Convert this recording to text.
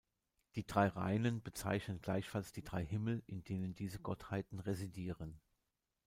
Die drei Reinen bezeichnen gleichfalls die drei Himmel, in denen diese Gottheiten residieren.